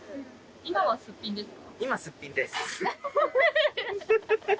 今はすっぴんですか？